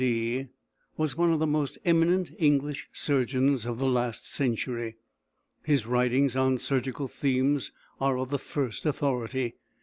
D. [Sir James Paget was one of the most eminent English surgeons of the last century: his writings on surgical themes are of the first authority.